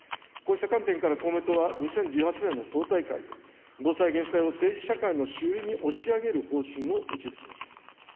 こうした観点から、公明党は２０１８年の党大会で、防災・減災を政治社会の主流に押し上げる方針を打ち出しました。